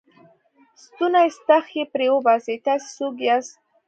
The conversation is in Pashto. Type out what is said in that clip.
ستونی ستغ یې پرې وباسئ، تاسې څوک یاست؟